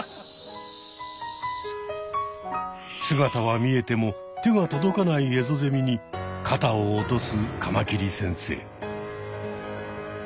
姿は見えても手が届かないエゾゼミにかたを落とすカマキリ先生。